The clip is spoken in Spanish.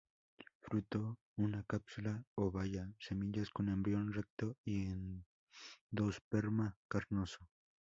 Fruto una cápsula o baya; semillas con embrión recto y endosperma carnoso.